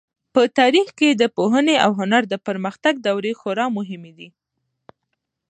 په تاریخ کې د پوهنې او هنر د پرمختګ دورې خورا مهمې دي.